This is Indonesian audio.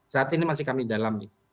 saat ini masih kami dalami